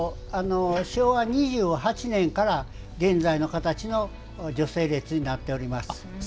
昭和２８年から現在の形の女性列になっております。